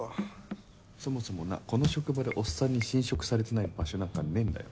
そもそもなこの職場でおっさんに侵食されてない場所なんかねえんだよ。